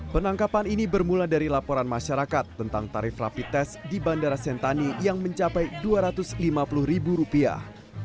penangkapan ini bermula dari laporan masyarakat tentang tarif rapid test di bandara sentani yang mencapai dua ratus lima puluh ribu rupiah